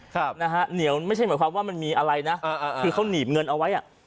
ครับนะฮะเหนียวไม่ใช่หมายความว่ามันมีอะไรนะอ่าคือเขาหนีบเงินเอาไว้อ่ะ